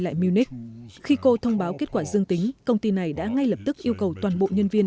lại munich khi cô thông báo kết quả dương tính công ty này đã ngay lập tức yêu cầu toàn bộ nhân viên